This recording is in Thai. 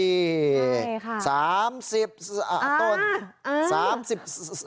ใช่ค่ะสามสิบอ่าต้นอ้าสามสิบ